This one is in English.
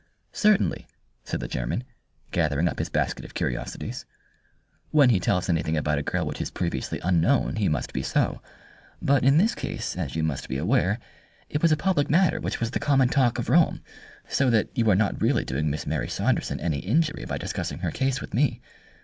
"Certainly," said the German, gathering up his basket of curiosities, "when he tells anything about a girl which is previously unknown, he must be so. But in this case, as you must be aware, it was a public matter which was the common talk of Rome, so that you are not really doing Miss Mary Saunderson any injury by discussing her case with me.